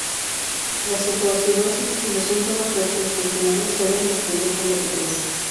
La cetoacidosis y los síntomas gastrointestinales suelen responder con rapidez.